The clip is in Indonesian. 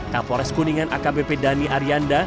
kapolres kuningan akbp dhani arianda